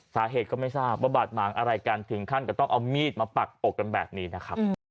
สาเหตุก็ไม่ทราบว่าบาดหมางอะไรกันถึงขั้นก็ต้องเอามีดมาปักอกกันแบบนี้นะครับ